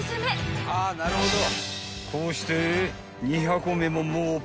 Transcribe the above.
［こうして］